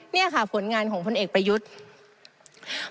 นี่ค่ะผลงานของพลเอกประยุทธ์